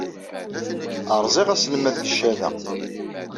Rẓiɣ aselmad deg cchada.